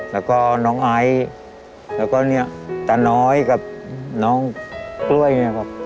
แล้วก็น้องไอซ์แล้วก็เนี่ยตาน้อยกับน้องกล้วยเนี่ยครับ